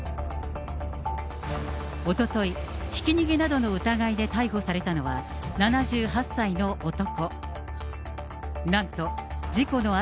おととい、ひき逃げなどの疑いで逮捕されたのは、７８歳の男。